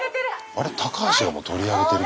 あれタカハシがもう取り上げてる？